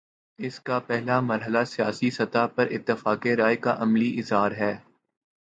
اس کا پہلا مرحلہ سیاسی سطح پر اتفاق رائے کا عملی اظہار ہے۔